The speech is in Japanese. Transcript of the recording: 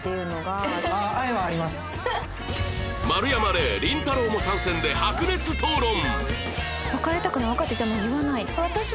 丸山礼りんたろー。も参戦で白熱討論！